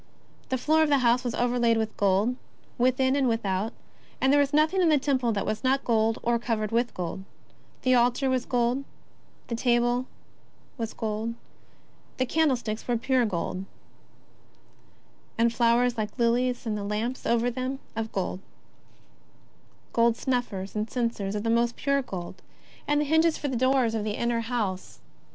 The floor of the house was overlaid with gold within and without, and there was nothing in the Temple that was not gold or covered with gold — the altar of gold, and the table of gold, and the golden candlesticks of pure gold, and flowers like lilies, and the lamps over them of gold, and golden snuffers, and censers of most pure gold, and the hinges for the doors of the inner house 60 JESUS OF NAZARETH.